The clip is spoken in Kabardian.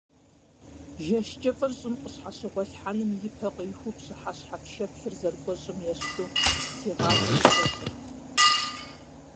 Жэщ кӀыфӀыр щӀым къыщхьэщыгъуэлъхьэным и пэ къихуэу пщыхьэщхьэ пшэплъыр зэрыкӀуэщӀым ещхьу, си гъащӀэри кӀуэщӀырт.